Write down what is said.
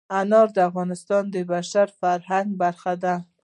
انار د افغانستان د بشري فرهنګ برخه ده.